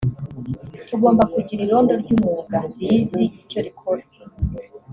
Tugomba kugira irondo ry’umwuga rizi icyo rikora